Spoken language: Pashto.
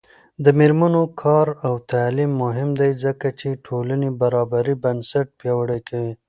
د میرمنو کار او تعلیم مهم دی ځکه چې ټولنې برابرۍ بنسټ پیاوړی کوي.